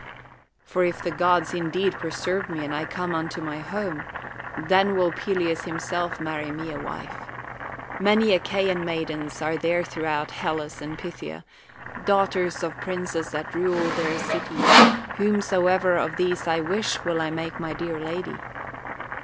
For if the gods indeed ])reserve me and I come unto my home, then will P(^]eus himself marrv me a wife. ]^,Iauv Achaiau maid ACHILLES ens are there throughout Hellas and Phthia, daughters of princes that rule their cities ; whom soever of these I wish will I make my dear lady.